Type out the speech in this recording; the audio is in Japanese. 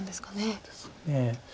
そうですね。